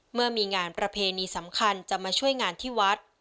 เมื่อมีงานประเพณีสำคัญจะมาช่วยงานที่วัด